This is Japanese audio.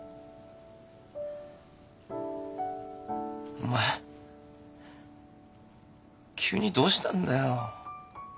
お前急にどうしたんだよ。